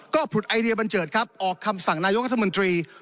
ก็ผุดไอเดียบันเจิดครับออกคำสั่งนายกรัฐมนตรี